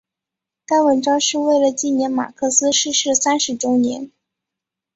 该文章是为了纪念马克思逝世三十周年。